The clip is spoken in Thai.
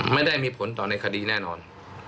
ไม่ได้มีผลต่อในคดีแน่นอน